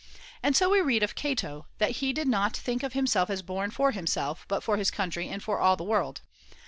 And so we read of Cato prudence, that he did not think of himself as born for himself, but for his country and for all the world.